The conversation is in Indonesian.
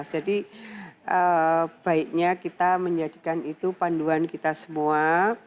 jadi baiknya kita menjadikan itu panduan kita semua